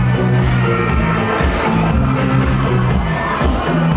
ไม่ต้องถามไม่ต้องถาม